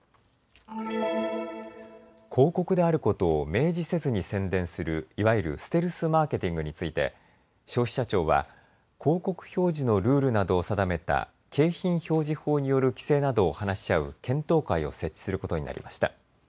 広告であることを明示せずに宣伝するいわゆるステルスマーケティングについて消費者庁は広告表示のルールなどを定めた景品表示法による規制などを話し合う検討会を設置することになりました。